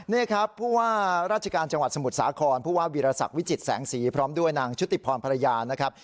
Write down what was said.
นี่ครับผู้ว่าราชการจังหวัดสมุทรสาครผู้ว่าวิรสักวิจิตแสงสีพร้อมด้วยนางชุติพรภรรยานะครับ